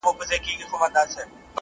په خپل ذهن کې ډول، ډول نظریې جوړوو